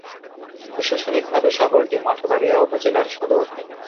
প্রশাসনিকভাবে শহরটি মঠবাড়িয়া উপজেলার সদর।